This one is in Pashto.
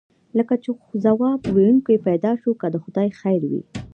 لکه چې ځواب ویونکی پیدا شو، که د خدای خیر وي.